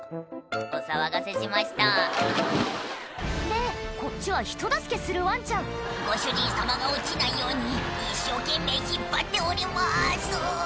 「お騒がせしました」でこっちは人助けするワンちゃん「ご主人様が落ちないように一生懸命引っ張っております」